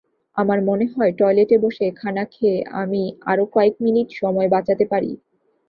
আমার মনে হয় টয়লেটে বসে খানা খেয়ে আমি আরও কয়েক মিনিট সময় বাঁচাতে পারি।